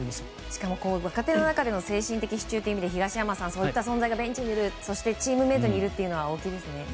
しかも若手の中での精神的支柱という意味で東山さんそういった存在がベンチにいるそしてチームメートにいるのは大きいですね。